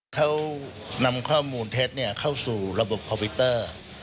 เขานำข้อมูลเท็จเข้าสู่ระบบคอมพิวเตอร์